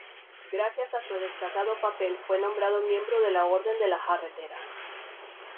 Gracias a su destacado papel fue nombrado miembro de la Orden de la Jarretera.